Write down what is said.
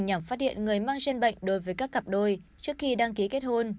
nhằm phát hiện người mang trên bệnh đối với các cặp đôi trước khi đăng ký kết hôn